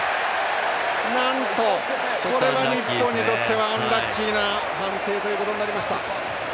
なんと、これは日本にとってはアンラッキーな判定ということになりました。